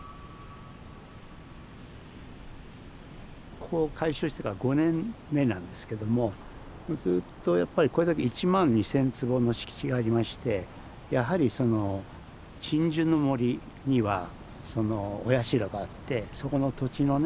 ここ開所してから５年目なんですけどもずっとやっぱりこれだけ１万２，０００坪の敷地がありましてやはりその鎮守の森にはそのお社があってそこの土地のね